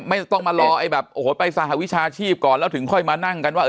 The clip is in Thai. ไม่ต้องมารอไอ้แบบโอ้โหไปสหวิชาชีพก่อนแล้วถึงค่อยมานั่งกันว่า